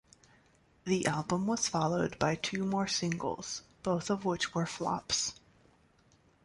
The album was followed by two more singles, both of which were flops.